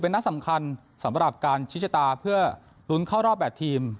นัดสำคัญสำหรับการชิชตาเพื่อลุ้นเข้ารอบ๘ทีม